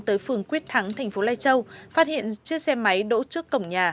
tới phường quyết thắng thành phố lai châu phát hiện chiếc xe máy đỗ trước cổng nhà